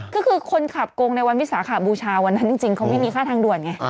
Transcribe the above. ก็คือคนขับโกงในวันวิสาขบูชาวันนั้นจริงเขาไม่มีค่าทางด่วนไง